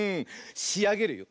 しあげるよ！